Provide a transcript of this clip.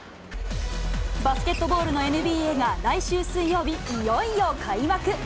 バスケットボールのＮＢＡが来週水曜日、いよいよ開幕。